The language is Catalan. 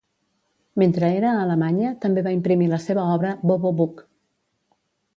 Mentre era a Alemanya, també va imprimir la seva obra "Bovo-Bukh".